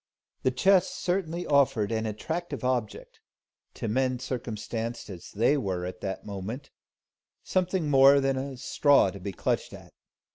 The chest certainly offered an attractive object to men circumstanced as they were at that moment, something more than a straw to be clutched at.